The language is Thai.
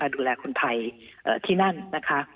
ดูแลคนไทยที่นั่นนะคะ